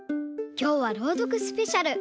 きょうは「ろうどくスペシャル」！